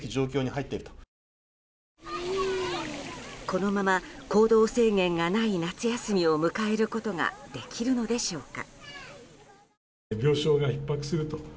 このまま行動制限がない夏休みを迎えることができるのでしょうか。